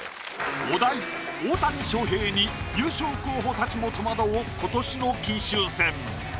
お題「大谷翔平」に優勝候補たちも戸惑う今年の金秋戦。